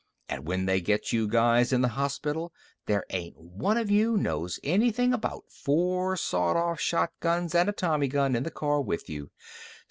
And when they get you guys in the hospital there ain't one of you knows anything about four sawed off shotguns and a tommy gun in the car with you.